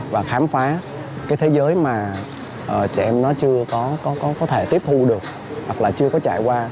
và khám phá cái thế giới mà trẻ em nó chưa có thể tiếp thu được hoặc là chưa có trải qua